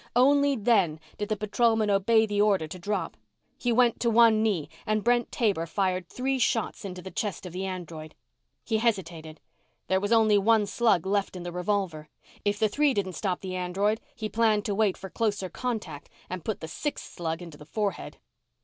Only then, did the patrolman obey the order to drop. He went to one knee and Brent Taber fired three shots into the chest of the android. He hesitated. There was only one slug left in the revolver. If the three didn't spot the android, he planned to wait for closer contact and put the sixth slug into the forehead.